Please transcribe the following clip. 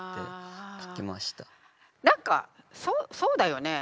何かそうだよねえ。